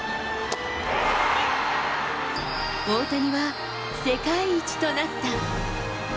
大谷は世界一となった。